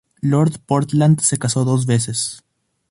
Lord Portland se casó dos veces.